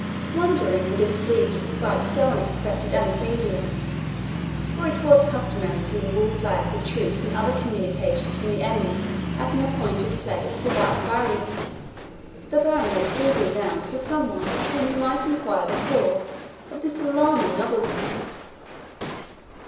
Wondering, and displeased at a sight so unexpected and singular for it was customary to leave all flags of truce and other communications from the enemy at an appointed place without the barriers the baron looked eagerly round for some one of whom he might inquire the cause of this alarming novelty.